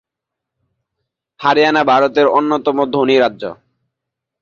হরিয়ানা ভারতের অন্যতম ধনী রাজ্য।